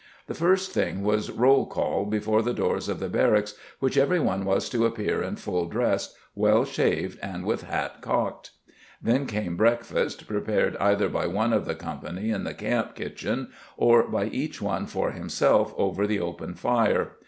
The first thing was roll call before the doors of the barracks which every one was to appear in full dress, well shaved and with hat cocked. Then came breakfast prepared either by one of the company in the camp kitchen or by each one for himself over the open fire.